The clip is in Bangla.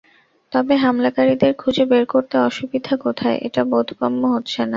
তবে হামলাকারীদের খুঁজে বের করতে অসুবিধা কোথায়, এটা বোধগম্য হচ্ছে না।